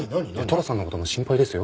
寅さんの事も心配ですよ。